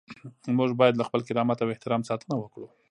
موږ باید له خپل کرامت او احترام ساتنه وکړو.